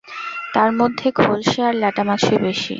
তার মধ্যে খলসে আর ল্যাঠা মাছই বেশি।